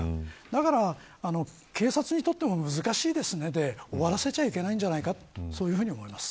だから警察にとっても難しいですで終わらせちゃいけないというふうに思います。